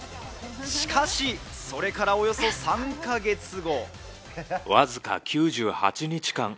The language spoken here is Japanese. しかし、それからおよそ３か月後。